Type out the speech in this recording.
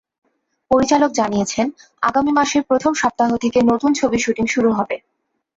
পরিচালক জানিয়েছেন, আগামী মাসের প্রথম সপ্তাহ থেকে নতুন ছবির শুটিং শুরু হবে।